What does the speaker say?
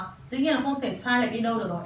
chứ còn dĩ nhiên là không thể sai lại đi đâu được